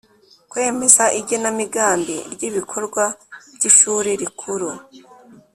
Kwemeza igenamigambi ry ibikorwa by ishuri rikuru